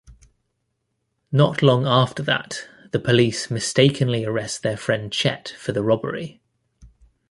Not long after that, the police mistakenly arrest their friend Chet for the robbery.